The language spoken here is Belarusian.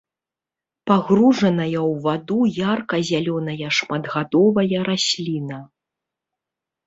Пагружаная ў ваду ярка-зялёная шматгадовая расліна.